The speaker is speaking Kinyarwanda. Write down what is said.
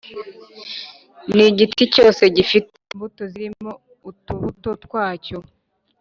n’igiti cyose gifite imbuto zirimo utubuto twacyo,